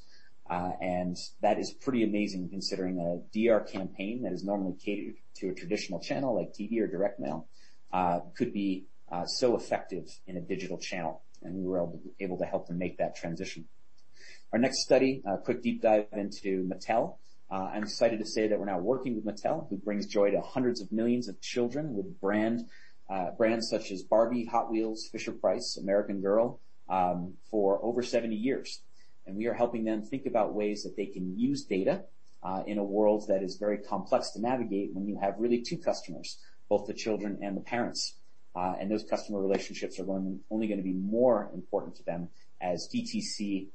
That is pretty amazing considering a DR campaign that is normally catered to a traditional channel like TV or direct mail, could be so effective in a digital channel, and we were able to help them make that transition. Our next study, a quick deep dive into Mattel. I'm excited to say that we're now working with Mattel, who brings joy to hundreds of millions of children with brands such as Barbie, Hot Wheels, Fisher-Price, American Girl, for over 70 years. We are helping them think about ways that they can use data, in a world that is very complex to navigate when you have really two customers, both the children and the parents. Those customer relationships are only going to be more important to them as DTC,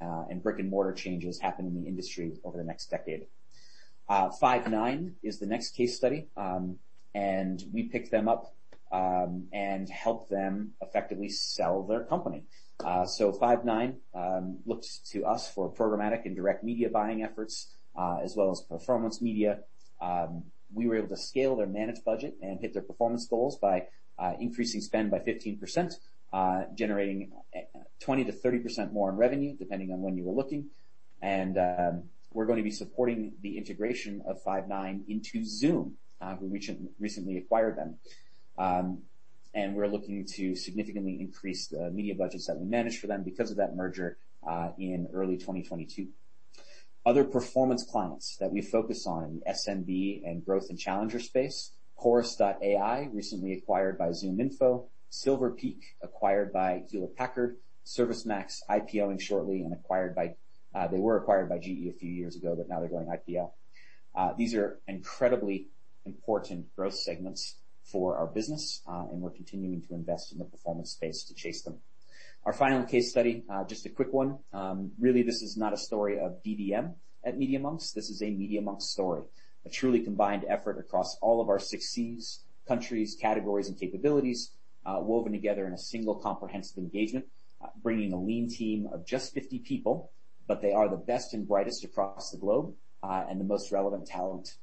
and brick-and-mortar changes happen in the industry over the next decade. Five9 is the next case study. We picked them up, and helped them effectively sell their company. Five9 looks to us for programmatic and direct media buying efforts, as well as performance media. We were able to scale their managed budget and hit their performance goals by increasing spend by 15%, generating 20%-30% more in revenue depending on when you were looking. We're going to be supporting the integration of Five9 into Zoom, who recently acquired them. We're looking to significantly increase the media budgets that we manage for them because of that merger, in early 2022. Other performance clients that we focus on in the SMB and growth and challenger space, Chorus.ai, recently acquired by ZoomInfo, Silver Peak, acquired by Hewlett Packard, ServiceMax, IPOing shortly and acquired by GE a few years ago, but now they're going IPO. These are incredibly important growth segments for our business, we're continuing to invest in the performance space to chase them. Our final case study, just a quick one. Really, this is not a story of DDM at Media.Monks. This is a Media.Monks story, a truly combined effort across all of our 6Cs, countries, categories, and capabilities, woven together in a single comprehensive engagement, bringing a lean team of just 50 people, but they are the best and brightest across the globe, and the most relevant talent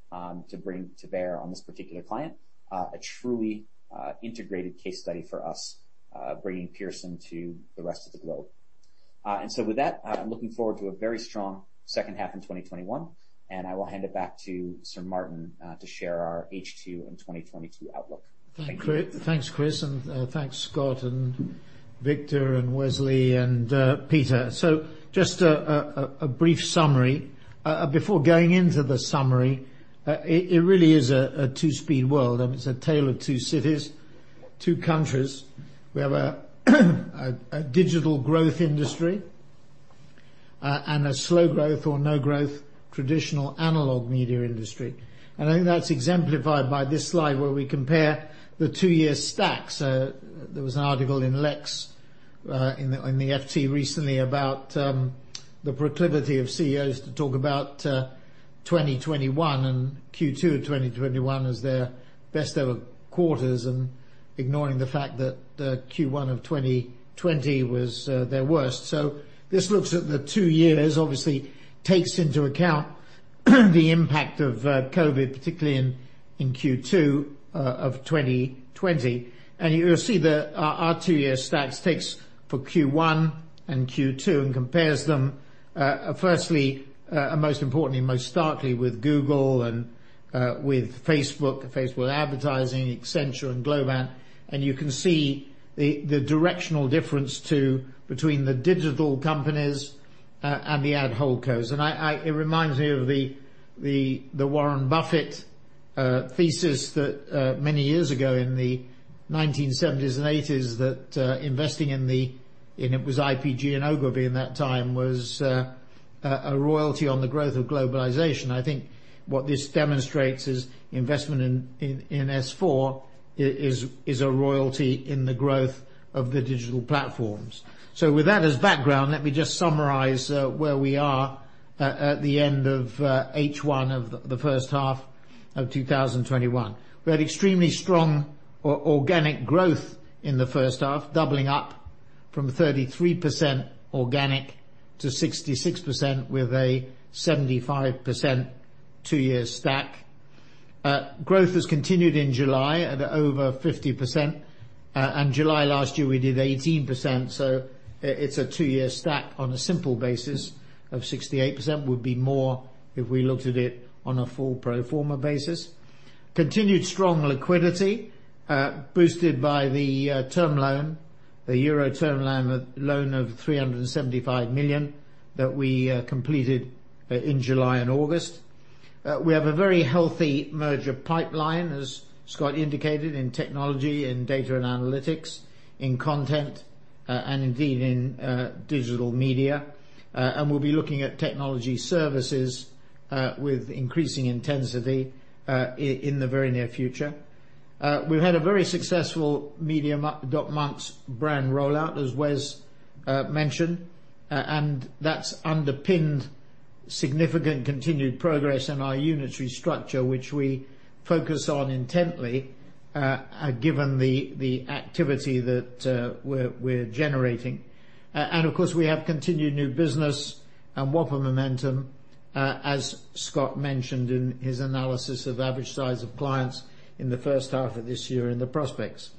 to bring to bear on this particular client. A truly integrated case study for us, bringing Pearson to the rest of the globe. With that, I am looking forward to a very strong second half in 2021, and I will hand it back to Sir Martin to share our H2 and 2022 outlook. Thank you. Thanks, Chris, and thanks, Scott and Victor and Wesley and Peter. Just a brief summary. Before going into the summary, it really is a two-speed world. It's a tale of two cities, two countries, a digital growth industry and a slow growth or no growth traditional analog media industry. I think that's exemplified by this slide where we compare the two-year stack. There was an article in Lex in the FT recently about the proclivity of CEOs to talk about 2021 and Q2 of 2021 as their best ever quarters, and ignoring the fact that the Q1 of 2020 was their worst. This looks at the two years, obviously takes into account the impact of COVID-19, particularly in Q2 of 2020. You will see our two-year stacks takes for Q1 and Q2 and compares them, firstly, and most importantly, most starkly with Google and with Facebook Advertising, Accenture, and Globant. You can see the directional difference too between the digital companies, and the ad holdcos. It reminds me of the Warren Buffett thesis that many years ago in the 1970s and 1980s that investing in the IPG and Ogilvy in that time was a royalty on the growth of globalization. I think what this demonstrates is investment in S4 is a royalty in the growth of the digital platforms. With that as background, let me just summarize where we are at the end of H1 of the first half of 2021. We had extremely strong organic growth in the first half, doubling up from 33% organic to 66% with a 75% two-year stack. Growth has continued in July at over 50%, July last year, we did 18%, so it's a two-year stack on a simple basis of 68%, would be more if we looked at it on a full pro forma basis. Continued strong liquidity, boosted by the term loan, the euro term loan of 375 million that we completed in July and August. We have a very healthy merger pipeline, as Scott indicated, in technology, in data and analytics, in content, and indeed in digital media. We'll be looking at technology services with increasing intensity in the very near future. We've had a very successful Media.Monks brand rollout, as Wes mentioned, and that's underpinned significant continued progress in our unitary structure, which we focus on intently, given the activity that we're generating. Of course, we have continued new business and whopper momentum, as Scott mentioned in his analysis of average size of clients in the first half of this year and the prospects.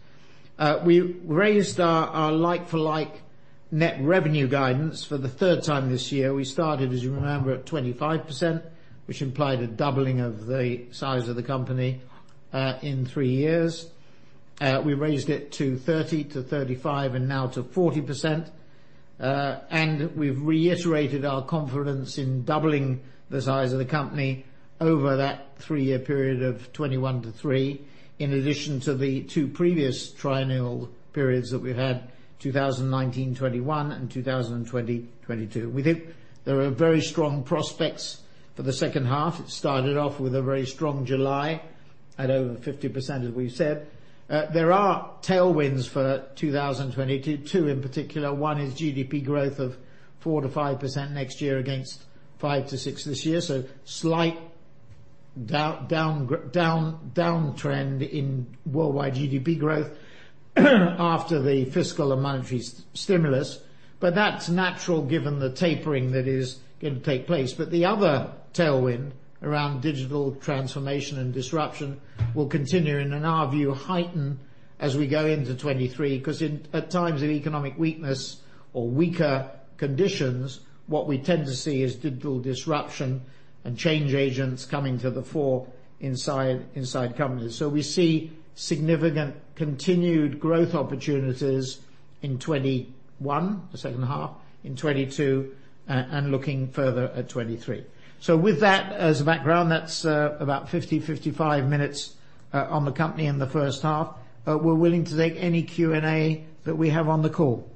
We raised our like-for-like net revenue guidance for the third time this year. We started, as you remember, at 25%, which implied a doubling of the size of the company in three years. We raised it to 30%-35%, and now to 40%. We've reiterated our confidence in doubling the size of the company over that three-year period of 2021-2023, in addition to the two previous triennial periods that we've had, 2019-2021 and 2020-2022. We think there are very strong prospects for the second half. It started off with a very strong July at over 50%, as we've said. There are tailwinds for 2022, in particular. One is GDP growth of 4%-5% next year against 5%-6% this year. Slight downtrend in worldwide GDP growth after the fiscal and monetary stimulus. That's natural given the tapering that is going to take place. The other tailwind around digital transformation and disruption will continue, and in our view, heighten as we go into 2023, because at times of economic weakness or weaker conditions, what we tend to see is digital disruption and change agents coming to the fore inside companies. We see significant continued growth opportunities in 2021, the second half, in 2022, and looking further at 2023. With that as a background, that's about 50-55 minutes on the company in the first half. We're willing to take any Q&A that we have on the call.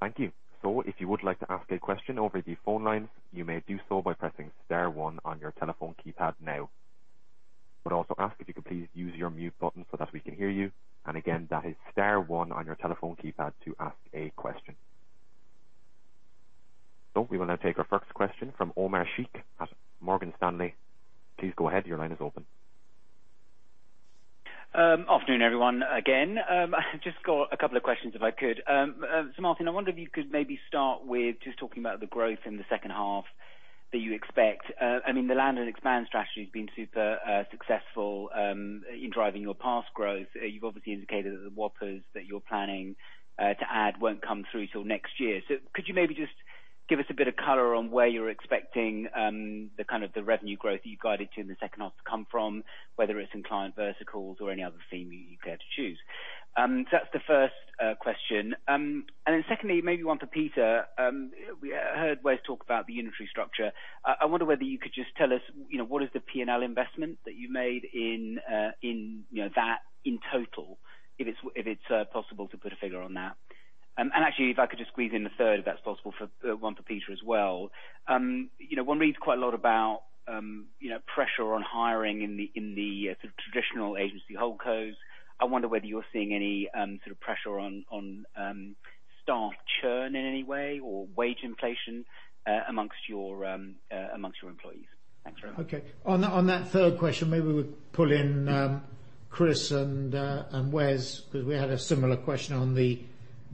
Thank you. If you would like to ask a question over the phone lines, you may do so by pressing star one on your telephone keypad now. We would also ask if you could please use your mute button so that we can hear you. Again, that is star one on your telephone keypad to ask a question. We will now take our first question from Omar Sheikh at Morgan Stanley. Please go ahead. Your line is open. Afternoon, everyone, again. Just got a couple of questions if I could. Martin, I wonder if you could maybe start with just talking about the growth in the second half that you expect. The land and expand strategy has been super successful in driving your past growth. You've obviously indicated that the whoppers that you're planning to add won't come through till next year. Could you maybe just give us a bit of color on where you're expecting the kind of the revenue growth that you guided to in the second half to come from, whether it's in client verticals or any other theme you care to choose? That's the first question. Secondly, maybe one for Peter. We heard Wes talk about the unitary structure. I wonder whether you could just tell us what is the P&L investment that you made in that in total, if it's possible to put a figure on that. Actually if I could just squeeze in the third, if that's possible, for one for Peter as well. One reads quite a lot about pressure on hiring in the sort of traditional agency holdcos. I wonder whether you're seeing any sort of pressure on staff churn in any way or wage inflation amongst your employees. Thanks very much. Okay. On that third question, maybe we'll pull in Chris and Wes, because we had a similar question on the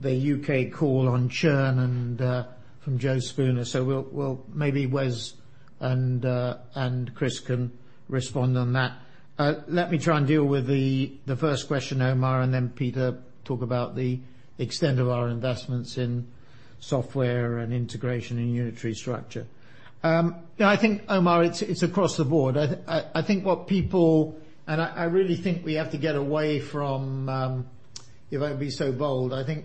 U.K. call on churn from Joe Spooner. Maybe Wes and Chris can respond on that. Let me try and deal with the first question, Omar, Peter talk about the extent of our investments in software and integration in unitary structure. I think Omar, it's across the board. I really think we have to get away from if I may be so bold, I think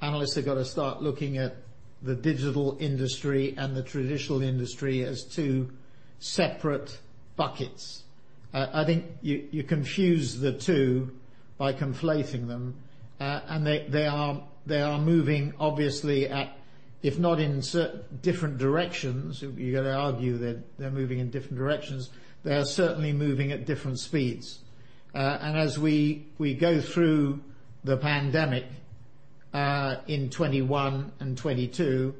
analysts have got to start looking at the digital industry and the traditional industry as two separate buckets. I think you confuse the two by conflating them, they are moving obviously at, if not in different directions, you've got to argue that they're moving in different directions. They are certainly moving at different speeds. As we go through the pandemic in 2021 and 2022,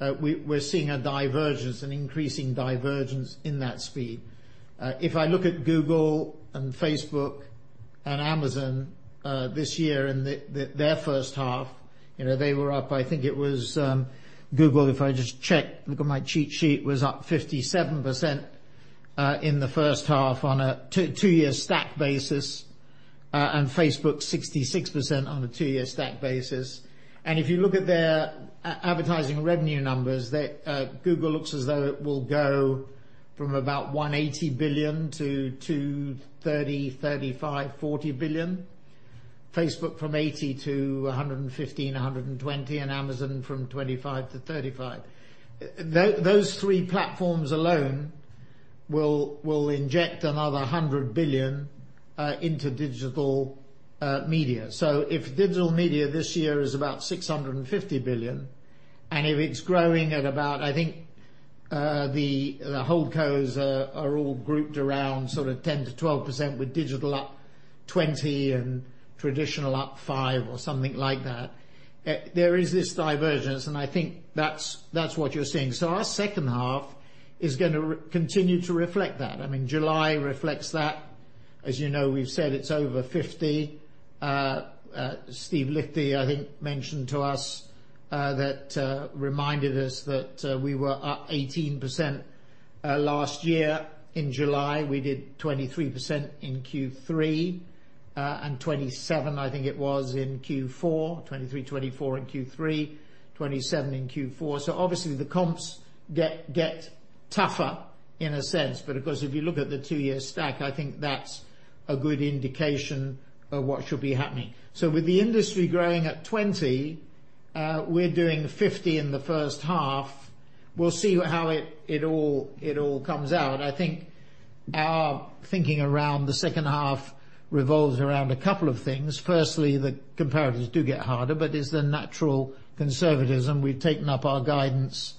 we're seeing a divergence, an increasing divergence in that speed. If I look at Google and Facebook and Amazon this year in their first half, they were up, I think it was Google, if I just check, look at my cheat sheet, was up 57% in the first half on a two-year stack basis. Facebook, 66% on a two-year stack basis. If you look at their advertising revenue numbers, Google looks as though it will go from about 180 billion to 230 billion-235 billion-GBP 240 billion. Facebook from 80 billion to 115 billion-120 billion, and Amazon from 25 billion to 35 billion. Those three platforms alone will inject another 100 billion into digital media. If digital media this year is about 650 billion, and if it's growing at about, I think, the holdcos are all grouped around sort of 10%-12% with digital up 20% and traditional up 5% or something like that. There is this divergence, I think that's what you're seeing. Our second half is going to continue to reflect that. July reflects that. As you know, we've said it's over 50%. Steve Liechti, I think, mentioned to us that, reminded us that we were up 18% last year in July. We did 23% in Q3, 27%, I think it was, in Q4, 23%-24% in Q3, 27% in Q4. Obviously, the comps get tougher in a sense. Of course, if you look at the two-year stack, I think that's a good indication of what should be happening. With the industry growing at 20%, we're doing 50% in the first half. We'll see how it all comes out. Our thinking around the second half revolves around a couple of things. Firstly, the comparatives do get harder, but it's the natural conservatism. We've taken up our guidance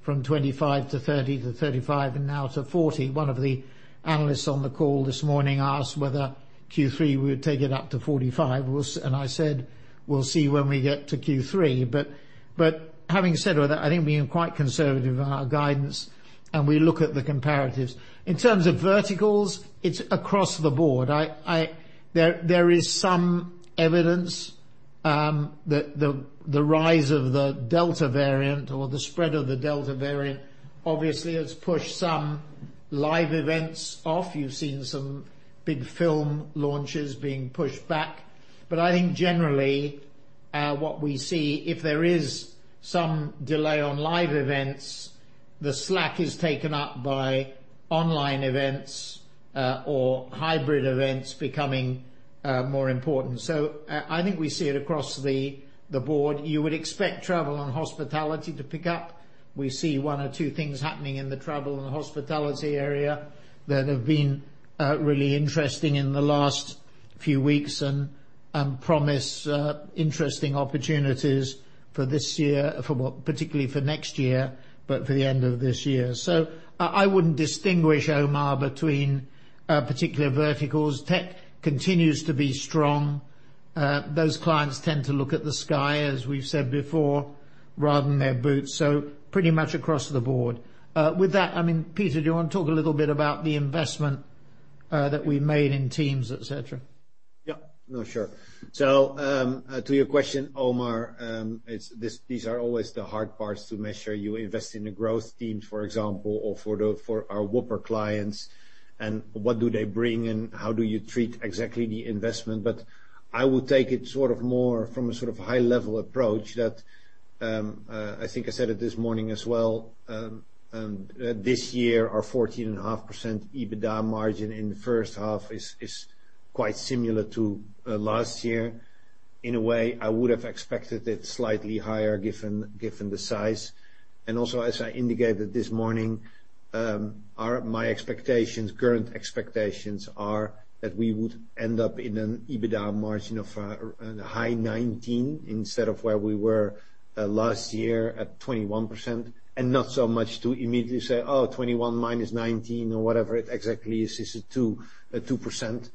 from 25% to 30%-35%, and now to 40%. One of the analysts on the call this morning asked whether Q3 we would take it up to 45%, and I said, we'll see when we get to Q3. Having said all that, I think being quite conservative in our guidance and we look at the comparatives. In terms of verticals, it's across the board. There is some evidence that the rise of the Delta variant, or the spread of the Delta variant, obviously has pushed some live events off. You've seen some big film launches being pushed back. I think generally, what we see, if there is some delay on live events, the slack is taken up by online events or hybrid events becoming more important. I think we see it across the board. You would expect travel and hospitality to pick up. We see one or two things happening in the travel and hospitality area that have been really interesting in the last few weeks, and promise interesting opportunities for this year, particularly for next year, but for the end of this year. I wouldn't distinguish, Omar, between particular verticals. Tech continues to be strong. Those clients tend to look at the sky, as we've said before, rather than their boots. Pretty much across the board. With that, Peter, do you want to talk a little bit about the investment that we made in teams, et cetera? Yeah. No, sure. To your question, Omar, these are always the hard parts to measure. You invest in the growth teams, for example, or for our whopper clients, and what do they bring, and how do you treat exactly the investment. I would take it more from a sort of high-level approach that I think I said it this morning as well. This year, our 14.5% EBITDA margin in the first half is quite similar to last year. In a way, I would have expected it slightly higher given the size. Also, as I indicated this morning, my expectations, current expectations are that we would end up in an EBITDA margin of a high 19% instead of where we were last year at 21%. Not so much to immediately say, oh, 21% - 19% or whatever it exactly is it 2%.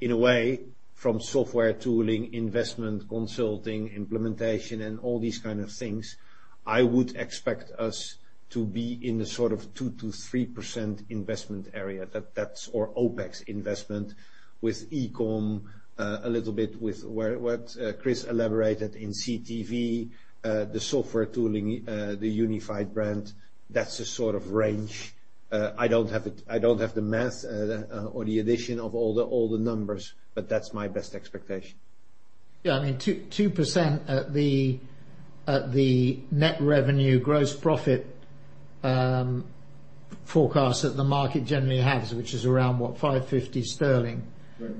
In a way, from software tooling, investment consulting, implementation, and all these kind of things, I would expect us to be in the sort of 2%-3% investment area. That's our OpEx investment with e-com, a little bit with what Chris elaborated in CTV, the software tooling, the unified brand. That's the sort of range. I don't have the math or the addition of all the numbers, that's my best expectation. Yeah, 2% at the net revenue gross profit forecast that the market generally has, which is around what? 550 million sterling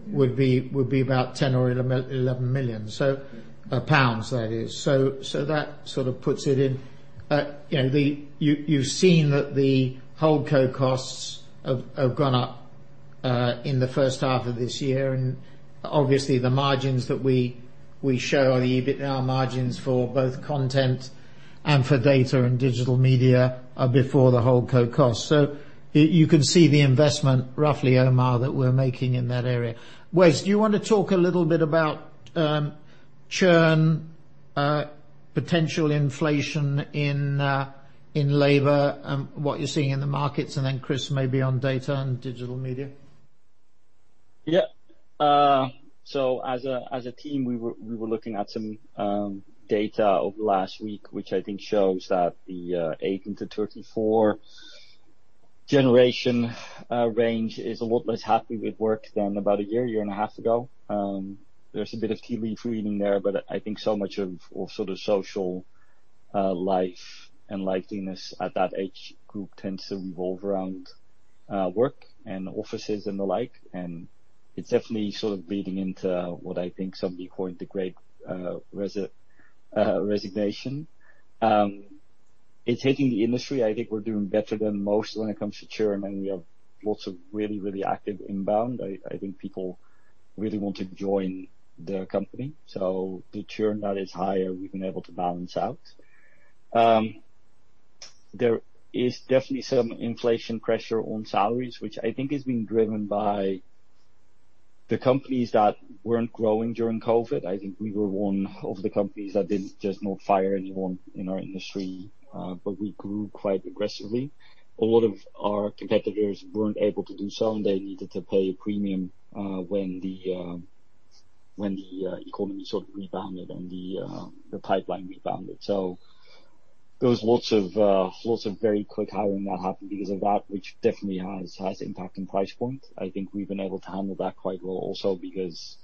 would be about 10 million or 11 million. Pounds, that is. That sort of puts it in. You've seen that the holdco costs have gone up in the first half of this year. Obviously, the margins that we show are the EBITDA margins for both content and for Data & Digital Media are before the holdco cost. You can see the investment roughly, Omar, that we're making in that area. Wes, do you want to talk a little bit about churn, potential inflation in labor and what you're seeing in the markets, and then Chris maybe on Data & Digital Media? Yeah. As a team, we were looking at some data over the last week, which I think shows that the 18-34 generation range is a lot less happy with work than about 1.5 years ago. There's a bit of tea leaf reading there. I think so much of sort of social life and likeliness at that age group tends to revolve around work and offices and the like, and it's definitely sort of bleeding into what I think somebody coined the Great Resignation. It's hitting the industry. I think we're doing better than most when it comes to churn, and we have lots of really active inbound. I think people really want to join the company. The churn that is higher, we've been able to balance out. There is definitely some inflation pressure on salaries, which I think is being driven by the companies that weren't growing during COVID-19. I think we were one of the companies that didn't just not fire anyone in our industry, but we grew quite aggressively. A lot of our competitors weren't able to do so, and they needed to pay a premium when the economy sort of rebounded, and the pipeline rebounded. There was lots of very quick hiring that happened because of that, which definitely has impact on price point. I think we've been able to handle that quite well also because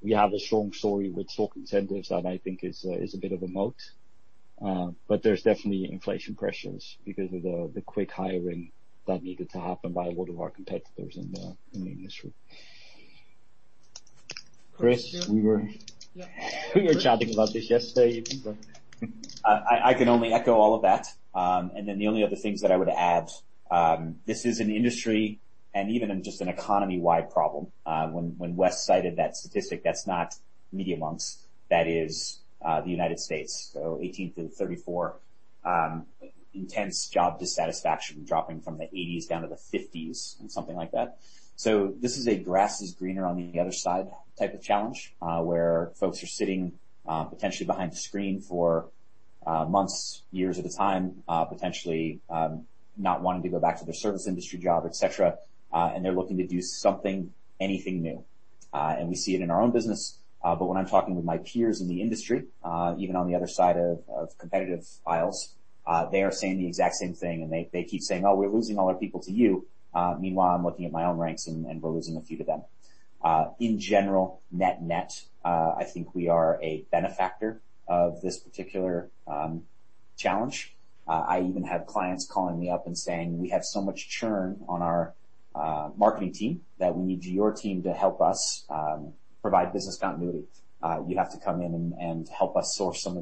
we have a strong story with stock incentives that I think is a bit of a moat. There's definitely inflation pressures because of the quick hiring that needed to happen by a lot of our competitors in the industry. Chris, we were chatting about this yesterday evening. I can only echo all of that. The only other things that I would add. This is an industry and even just an economy-wide problem. When Wes cited that statistic, that's not Media.Monks, that is the U.S. 18 through 34, intense job dissatisfaction dropping from the 80s down to the 50s and something like that. This is a grass is greener on the other side type of challenge, where folks are sitting potentially behind a screen for months, years at a time, potentially not wanting to go back to their service industry job, et cetera, and they're looking to do something, anything new. We see it in our own business, but when I'm talking with my peers in the industry, even on the other side of competitive aisles, they are saying the exact same thing, and they keep saying, "Oh, we're losing all our people to you." Meanwhile, I'm looking at my own ranks, and we're losing a few to them. In general, net-net, I think we are a benefactor of this particular challenge. I even have clients calling me up and saying, "We have so much churn on our marketing team that we need your team to help us provide business continuity. You have to come in and help us source some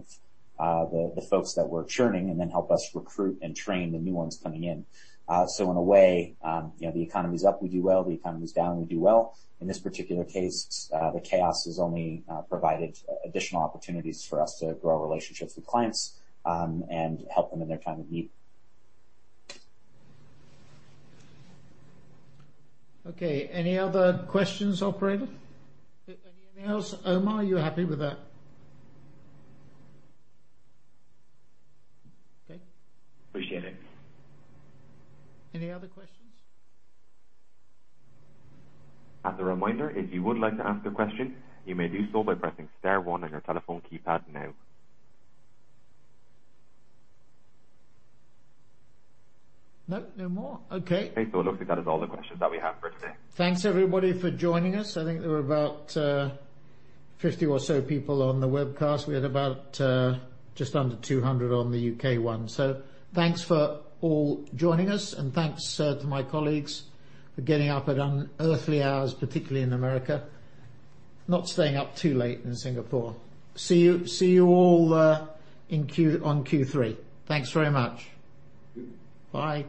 of the folks that we're churning and then help us recruit and train the new ones coming in." In a way, the economy's up, we do well, the economy's down, we do well. In this particular case, the chaos has only provided additional opportunities for us to grow relationships with clients, and help them in their time of need. Okay, any other questions, operator? Anything else? Omar, are you happy with that? Okay. Appreciate it. Any other questions? As a reminder, if you would like to ask a question, you may do so by pressing star one on your telephone keypad now. No? No more? Okay. Okay, it looks like that is all the questions that we have for today. Thanks everybody for joining us. I think there were about 50 or so people on the webcast. We had about just under 200 on the U.K. one. Thanks for all joining us, and thanks to my colleagues for getting up at unearthly hours, particularly in America. Not staying up too late in Singapore. See you all on Q3. Thanks very much. Bye.